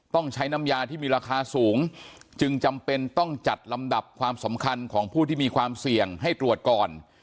ต้องใช้น้ำยาที่มีราคาสูงจึงจำเป็นต้องจัดลำดับความสำคัญของผู้ที่มีความเสี่ยงให้ตรวจก่อน